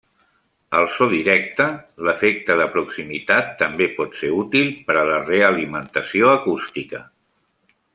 Al so directe, l'Efecte de Proximitat també pot ser útil per a la realimentació acústica.